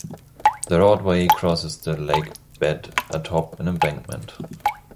The roadway crosses the lakebed atop an embankment.